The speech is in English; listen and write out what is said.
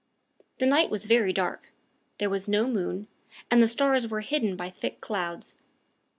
The night was very dark. There was no moon, and the stars were hidden by thick clouds.